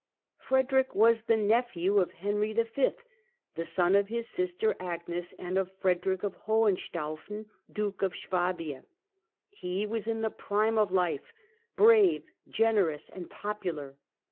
Frederick was the nephew of Henry V., the son of his sister Agnes and of Frederick of Hohenstaufen, Duke of Swabia. He was in the prime of life, brave, generous and popular.